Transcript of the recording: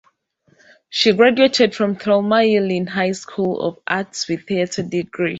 She graduated from Thelma Yellin High School of Arts with theatre degree.